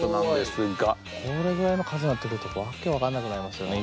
すごい！これぐらいの数になってくると訳分かんなくなりますよね。